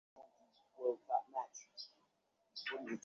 তিনি প্রথম টেস্টে অংশগ্রহণ থেকে বিরত থাকেন।